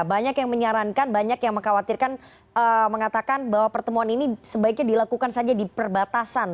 banyak yang menyarankan banyak yang mengkhawatirkan mengatakan bahwa pertemuan ini sebaiknya dilakukan saja di perbatasan